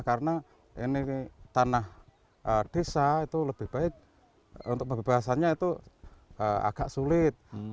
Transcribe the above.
karena ini tanah desa itu lebih baik untuk pembebasannya itu agak sulit